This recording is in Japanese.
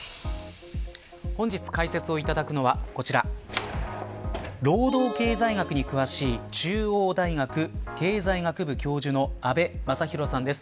本日、解説をいただくのはこちら労働経済学に詳しい中央大学、経済学部教授の阿部正浩さんです。